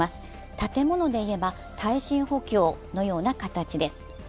建物でいえば耐震補強のような形です。